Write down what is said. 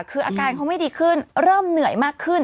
คืออาการเขาไม่ดีขึ้นเริ่มเหนื่อยมากขึ้น